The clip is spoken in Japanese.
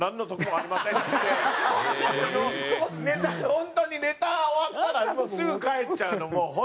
本当にネタ終わったらすぐ帰っちゃうのもう本当に。